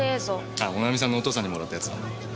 あもなみさんのお父さんにもらったやつだ。